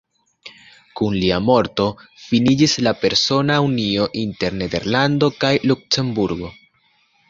Kun lia morto finiĝis la persona unio inter Nederlando kaj Luksemburgo.